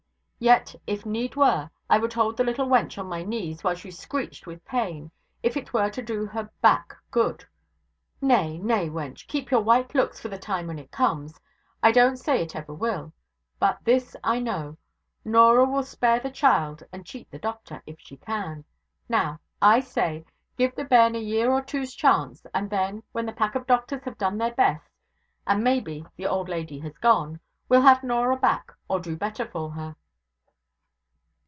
Yet, if need were, I would hold the little wench on my knees while she screeched with pain, if it were to do her poor back good. Nay, nay, wench! keep your white looks for the time when it comes I don't say it ever will. But this I know, Norah will spare the child and cheat the doctor, if she can. Now, I say, give the bairn a year or two's chance, and then, when the pack of doctors have done their best and, maybe, the old lady has gone we'll have Norah back or do better for her.'